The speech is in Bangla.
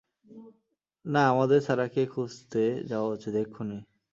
না, আমাদের সারাকে খুঁজতে যাওয়া উচিৎ, এক্ষুনি।